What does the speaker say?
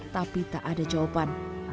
tapi tak ada jawaban